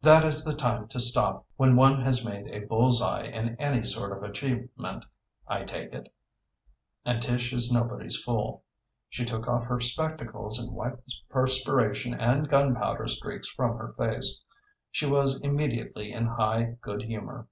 That is the time to stop, when one has made a bull's eye in any sort of achievement, I take it. And Tish is nobody's fool. She took off her spectacles and wiped the perspiration and gunpowder streaks from her face. She was immediately in high good humor.